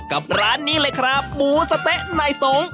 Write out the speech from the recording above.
ร้านนี้เลยครับหมูสะเต๊ะนายสง